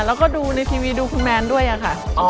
แล้วก็ดูในทีวีดูคุณแมนด้วยค่ะ